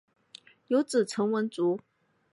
有子陈文烛。